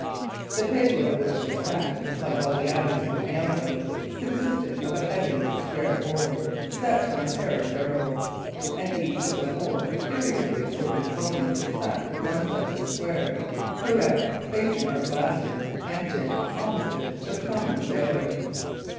The table at which they sat, like all the others in the alehouse, consisted of a heavy, square board, set on a pair of barrels; and each of the four curiously assorted cronies sat at one side of the square, Pirret facing Arblaster, and Dick opposite to the common sailor.